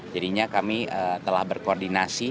jadinya kami telah berkoordinasi